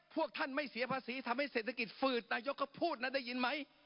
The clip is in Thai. พวกท่านไม่เสียภาษีทำให้เศรษฐกิจฝืดนายกก็พูดนะได้ยินไหม